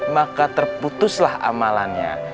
maka terputuslah amalannya